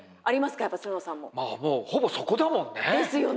まあもうほぼそこだもんね。ですよね。